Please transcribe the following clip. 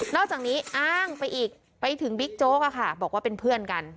อกจากนี้อ้างไปอีกไปถึงบิ๊กโจ๊กบอกว่าเป็นเพื่อนกัน